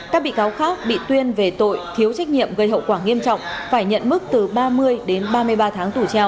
các bị cáo khác bị tuyên về tội thiếu trách nhiệm gây hậu quả nghiêm trọng phải nhận mức từ ba mươi đến ba mươi ba tháng tù treo